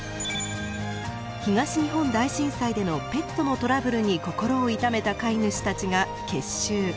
東日本大震災でのペットのトラブルに心を痛めた飼い主たちが結集。